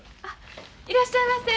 いらっしゃいませ。